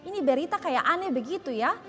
ini berita kayak aneh begitu ya